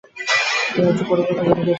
তিনি একজন পরোপকারী জমিদার ছিলেন।